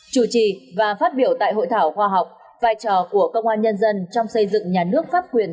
chủ trì và phát biểu tại hội thảo khoa học vai trò của công an nhân dân trong xây dựng nhà nước pháp quyền